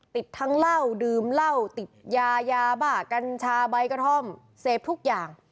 ติดทั้งเหล้าดื่มเหล้าติดยายาบ้ากัญชาใบกระท่อมเสพทุกอย่าง